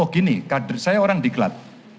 oh gini kader saya orang diklat